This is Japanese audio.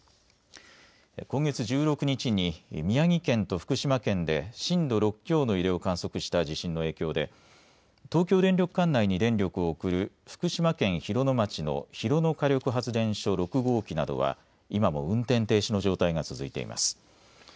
今月１６日に宮城県と福島県で震度６強の揺れを観測した地震の影響で東京電力管内に電力を送る福島県広野町の広野火力発電所６号機などは今も運転停止の状態が続いています。